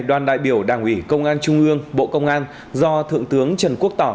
đoàn đại biểu đảng ủy công an trung ương bộ công an do thượng tướng trần quốc tỏ